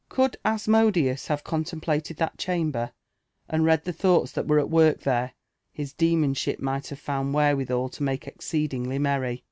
Could Asmodeus have con templated that chamber, and read the thoughts that were at work there, his demonship might have found wherewithal lo make exceed ingly merry.